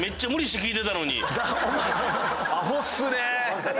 アホっすね。